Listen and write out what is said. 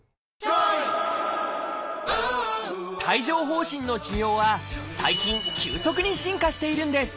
帯状疱疹の治療は最近急速に進化しているんです